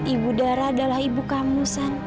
ibu dara adalah ibu kamu santa